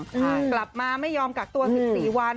กลับมาไม่ยอมกักตัว๑๔วัน